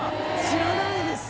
知らないです。